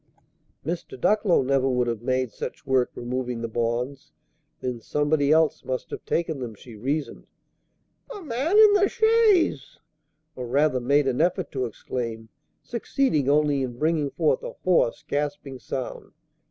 Mr. Ducklow never would have made such work, removing the bonds. Then somebody else must have taken them, she reasoned. "The man in the chaise!" she exclaimed, or rather made an effort to exclaim, succeeding only in bringing forth a hoarse, gasping sound.